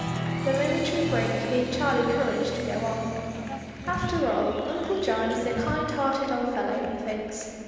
The momentary break gave Charlie courage to go on. After all Uncle John is a kind hearted old fellow, he thinks.